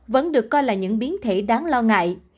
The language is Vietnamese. vẫn được coi là những biến thể đáng lo ngại